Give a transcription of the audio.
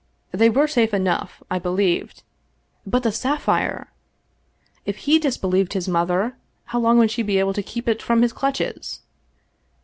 They were safe enough, I be lieved — but the sapphire ! If he disbelieved his mother, how long would she be able to keep it from his. clutches